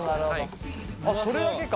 それだけか。